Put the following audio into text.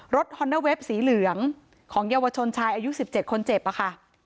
ฮอนเดอร์เวฟสีเหลืองของเยาวชนชายอายุ๑๗คนเจ็บอะค่ะ